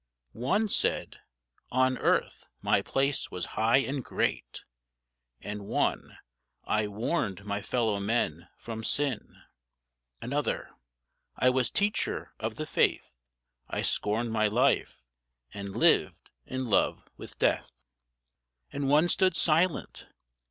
One said: "On earth my place was high and great;" And one: "I warned my fellow men from sin;" Another: "I was teacher of the faith; I scorned my life and lived in love with death." And one stood silent.